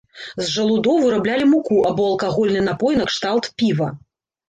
З жалудоў выраблялі муку або алкагольны напой накшталт піва.